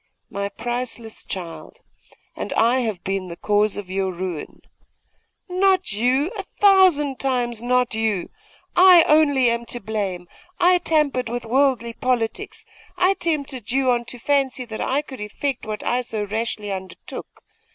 'My priceless child! And I have been the cause of your ruin!' 'Not you! a thousand times not you! I only am to blame! I tampered with worldly politics. I tempted you on to fancy that I could effect what I so rashly undertook.